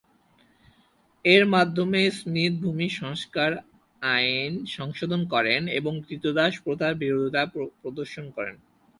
এর মাধ্যমে স্মিথ ভূমি সংস্কার আইন সংশোধন করেন এবং ক্রীতদাস প্রথার প্রতি বিরোধিতা প্রদর্শন করেন।